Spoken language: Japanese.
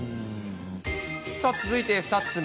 続いて２つ目。